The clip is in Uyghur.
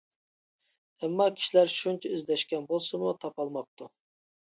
ئەمما، كىشىلەر شۇنچە ئىزدەشكەن بولسىمۇ، تاپالماپتۇ.